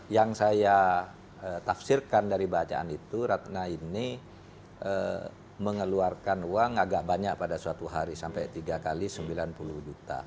yang saya tafsirkan dari bacaan itu ratna ini mengeluarkan uang agak banyak pada suatu hari sampai tiga x sembilan puluh juta